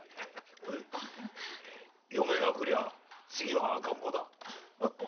嫁がくりゃ次は赤ん坊だ！